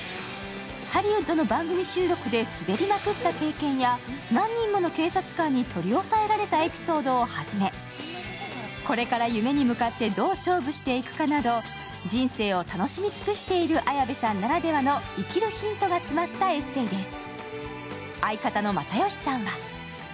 ハリウッドの番組収録で滑りまくった経験や何人もの警察官に取り押さえられたエピソードをはじめ、これから夢に向かってどう勝負していくかなど人生を楽しみ尽くしている綾部さんならではの生きるヒントが詰まったエッセーです。